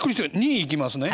２位いきますね。